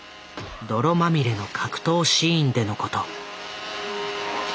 泥まみれの格闘シーンでのこと。